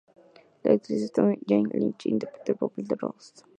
La actriz estadounidense Jane Lynch interpretó el papel de Roz.